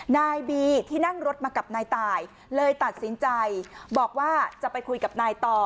นายบีที่นั่งรถมากับนายตายเลยตัดสินใจบอกว่าจะไปคุยกับนายต่อ